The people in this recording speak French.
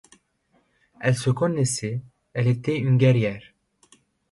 Elle se connaissait, elle était une guerrière.